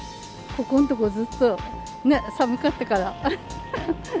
ここのところずっと寒かったから。